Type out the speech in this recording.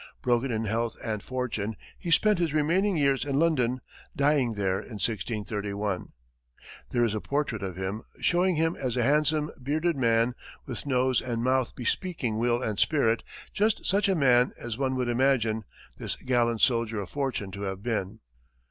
Broken in health and fortune, he spent his remaining years in London, dying there in 1631. There is a portrait of him, showing him as a handsome, bearded man, with nose and mouth bespeaking will and spirit just such a man as one would imagine this gallant soldier of fortune to have been.